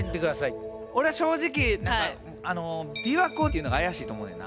俺正直びわ湖っていうのが怪しいと思うねんな。